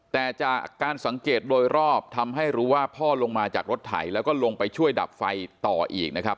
แต่จากการสังเกตโดยรอบทำให้รู้ว่าพ่อลงมาจากรถไถแล้วก็ลงไปช่วยดับไฟต่ออีกนะครับ